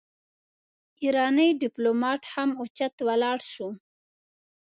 ايرانی ډيپلومات هم اوچت ولاړ شو.